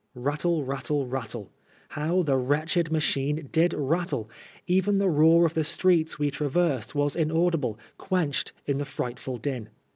Rattle, rattle, rattle I How the wretched machine did rattle I Even the roar of the streets we traversed was inaudible, quenched in the frightful din.